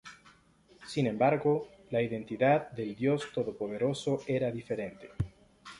Sin embargo, la identidad del Dios Todopoderoso era diferente.